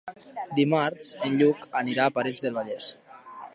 Dimarts en Lluc anirà a Parets del Vallès.